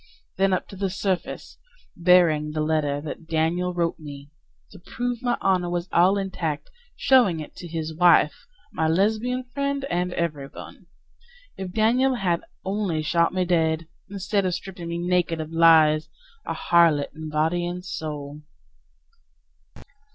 Then up to the surface, Bearing the letter that Daniel wrote me To prove my honor was all intact, showing it to his wife, My Lesbian friend and everyone. If Daniel had only shot me dead! Instead of stripping me naked of lies A harlot in body and soul.